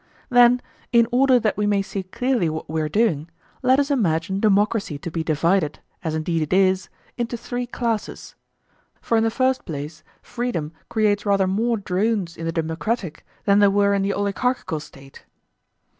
Then, in order that we may see clearly what we are doing, let us imagine democracy to be divided, as indeed it is, into three classes; for in the first place freedom creates rather more drones in the democratic than there were in the oligarchical State.